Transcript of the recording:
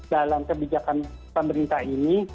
dalam kebijakan pemerintah ini